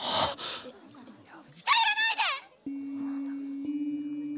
近寄らないでっ！